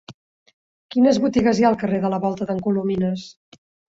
Quines botigues hi ha al carrer de la Volta d'en Colomines?